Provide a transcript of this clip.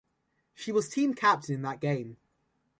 She was team captain in that game.